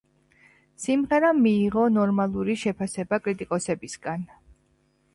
სიმღერამ მიიღო ნორმალური შეფასება კრიტიკოსებისგან.